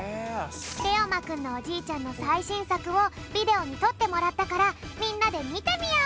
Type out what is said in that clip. れおまくんのおじいちゃんのさいしんさくをビデオにとってもらったからみんなでみてみよう！